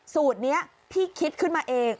สูตรนี้พี่คิดขึ้นมาเอง